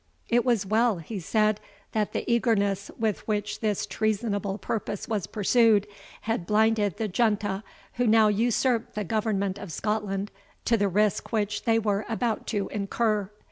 It was well," he said, "that the eagerness with which this treasonable purpose was pursued, had blinded the junta who now usurped the government of Scotland to the risk which they were about to incur.